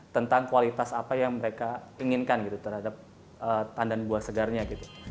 tentang kualitas apa yang mereka inginkan gitu terhadap tandan buah segarnya gitu